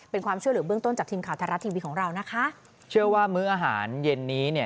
เป็นความช่วยเหลือเบื้องต้นจากทีมข่าวไทยรัฐทีวีของเรานะคะเชื่อว่ามื้ออาหารเย็นนี้เนี่ย